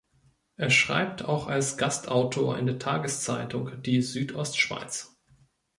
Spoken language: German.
Er schreibt auch als Gastautor in der Tageszeitung "Die Südostschweiz".